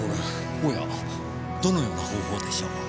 おやどのような方法でしょう？